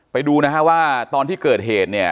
ไปดูว่าตอนที่เกิดเหตุ